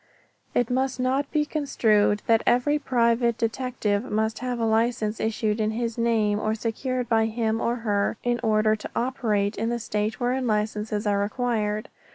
It must not be construed that every private detective must have a license issued in his name or secured by him in order to operate in the state wherein licenses are required.